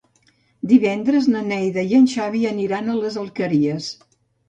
Divendres na Neida i en Xavi aniran a les Alqueries.